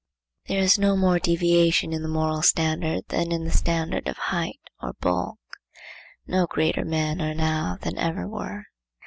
There is no more deviation in the moral standard than in the standard of height or bulk. No greater men are now than ever were.